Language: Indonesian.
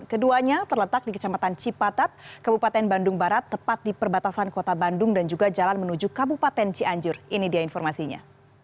keduanya terletak di kecamatan cipatat kabupaten bandung barat tepat di perbatasan kota bandung dan juga jalan menuju kabupaten cianjur ini dia informasinya